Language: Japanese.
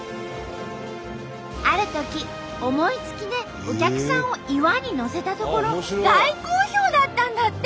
あるとき思いつきでお客さんを岩にのせたところ大好評だったんだって！